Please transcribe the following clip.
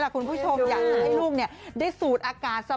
คุณผู้ชมอยากจะให้ลูกได้สูดอากาศซะ